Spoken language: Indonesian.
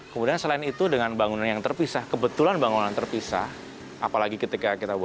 kemudian selain itu dengan bangunan yang terpisah kebetulan bangunan terpisah apalagi ketika kita